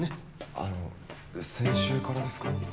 あの先週からですか？